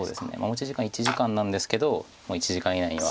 持ち時間１時間なんですけど１時間以内には。